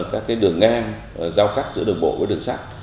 các đường ngang giao cắt giữa đường bộ với đường sắt